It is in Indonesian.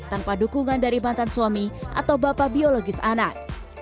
tanpa dukungan dari mantan suami atau bapak biologis anak